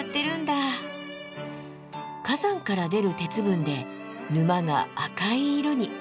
火山から出る鉄分で沼が赤い色に。